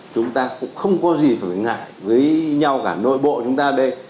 chúng ta cũng không có gì phải ngại với nhau cả nội bộ chúng ta ở đây